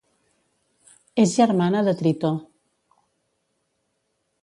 És germana de Tritó.